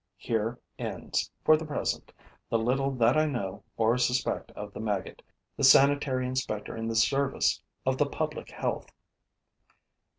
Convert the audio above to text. Here ends, for the present, the little that I know or suspect of the maggot, the sanitary inspector in the service of the public health.